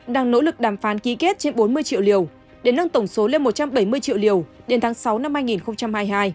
đang nỗ lực đàm phán ký kết trên bốn mươi triệu liều để nâng tổng số lên một trăm bảy mươi triệu liều đến tháng sáu năm hai nghìn hai mươi hai